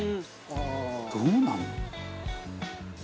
「どうなるの？」